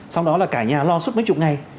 xong đó là cả nhà lo suốt mấy chục ngày